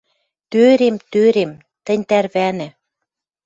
«Тӧрем, тӧрем, тӹнь тӓрвӓнӹ